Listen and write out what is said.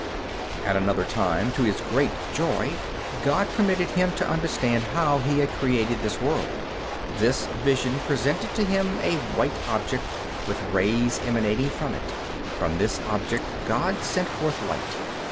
At another time, to his great joy, God permitted him to understand how He had created this world. This vision presented to him a white object, with rays emanating from it. From this object God sent forth light.